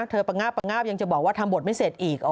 ประงาบประงาบยังจะบอกว่าทำบทไม่เสร็จอีก